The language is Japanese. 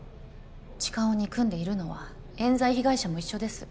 痴漢を憎んでいるのは冤罪被害者も一緒です